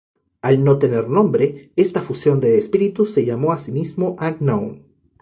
Al no tener nombre esta fusión de espíritus se llamó a sí mismo Unknown.